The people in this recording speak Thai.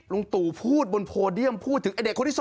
ลุงตู่พูดบนโปรเดียมพูดถึงเด็กคนที่๒นี่